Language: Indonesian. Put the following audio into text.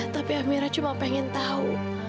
tapi amirah cuma ingin tahu